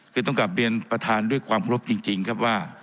คือต้องกลับเรียนประธานด้วยความเคารพจริงครับว่า